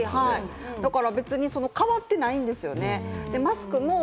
だから別に変わってないんですよね、マスクも。